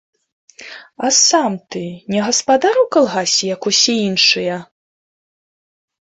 А сам ты не гаспадар у калгасе, як усе іншыя?